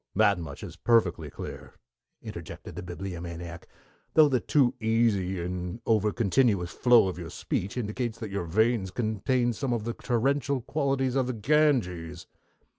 "That much is perfectly clear," interjected the Bibliomaniac, "though the too easy and overcontinuous flow of your speech indicates that your veins contain some of the torrential qualities of the Ganges."